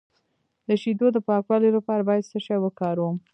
د شیدو د پاکوالي لپاره باید څه شی وکاروم؟